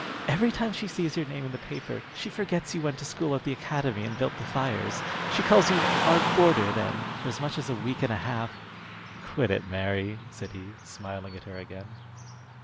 Every time she sees your name in the paper she forgets you went to school at the Academy and built the fires. She calls you 'our boarder' then, for as much as a week and a half." "Quit it, Mary," said he, smiling at her again.